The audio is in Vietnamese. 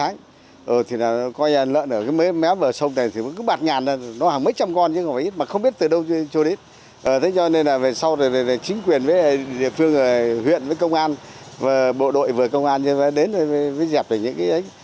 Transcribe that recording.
những người huyện với công an và bộ đội với công an đến với dẹp lại những cái ấy